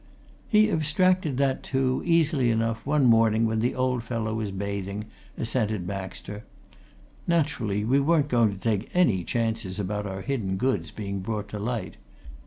"He abstracted that, too, easily enough, one morning when the old fellow was bathing," assented Baxter. "Naturally, we weren't going to take any chances about our hidden goods being brought to light.